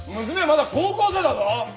娘はまだ高校生だぞ！